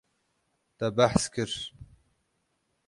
Te behs kir.